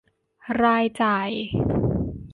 รายจ่าย